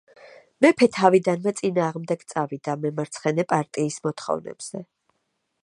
მეფე თავიდანვე წინააღმდეგ წავიდა მემარცხენე პარტიის მოთხოვნებზე.